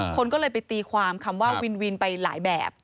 คนก็เลยไปตีความคำว่าวินวินไปหลายแบบ